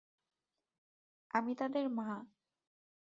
আমি তাদের মা!